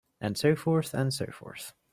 And so forth and so forth.